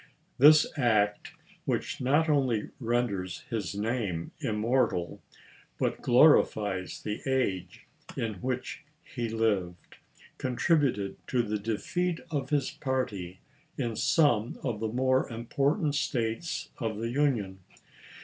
This act, which not only renders his name immortal, but glorifies the age in which he 362 ABRAHAM LINCOLN ch. xiii. lived, contributed to the defeat of his party in some of the more important States of the Union.